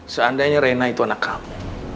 seandainya reina itu anak kamu